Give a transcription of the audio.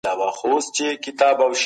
هر څه د الله لپاره وکړئ.